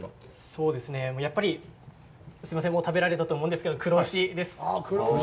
そうですね、やっぱりすみません、もう食べられたと思うんですけど、黒牛です。